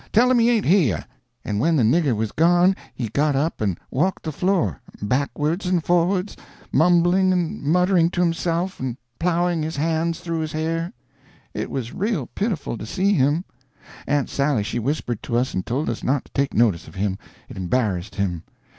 Tell him he ain't here." And when the nigger was gone he got up and walked the floor, backwards and forwards, mumbling and muttering to himself and plowing his hands through his hair. It was real pitiful to see him. Aunt Sally she whispered to us and told us not to take notice of him, it embarrassed him.